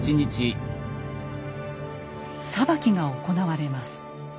裁きが行われます。